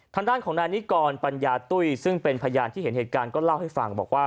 ทางด้านของนายนิกรปัญญาตุ้ยซึ่งเป็นพยานที่เห็นเหตุการณ์ก็เล่าให้ฟังบอกว่า